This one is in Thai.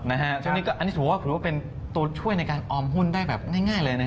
อันนี้ถือว่าเป็นตัวช่วยในการออมหุ้นได้แบบง่ายเลยนะครับ